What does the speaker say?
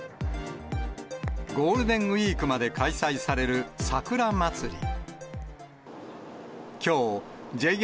ゴールデンウィークまで開催される、さくらまつり。